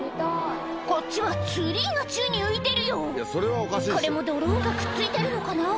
こっちはツリーが宙に浮いてるよこれもドローンがくっついてるのかな？